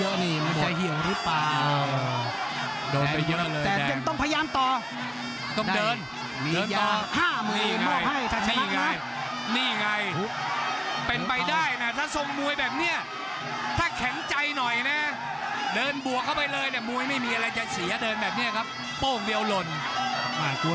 โอ้โหเล่งเยอะนี่มันจะเหี่ยงหรือเปล่า